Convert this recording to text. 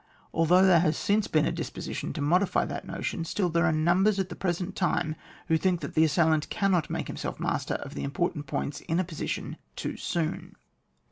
Although there has since been a disposition to modify that notion, still there are numbers at the present time who think that the assailant cannot make himself master of the important points in a position too soon, 196.